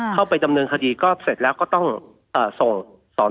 เข้าไปดำเนินคดีก็เสร็จแล้วก็ต้องส่งสอน